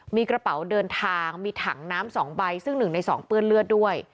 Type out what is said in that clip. มีกระเป๋าเดินทางมีถังน้ำ๒ใบซึ่ง๑ใน๒เปื้อนเลือดด้วย